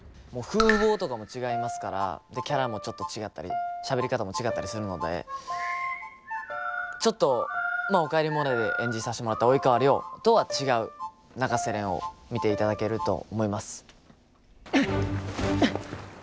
もう風貌とかも違いますからキャラもちょっと違ったりしゃべり方も違ったりするのでちょっと「おかえりモネ」で演じさせてもらった及川亮とは違う永瀬廉を見ていただけると思います。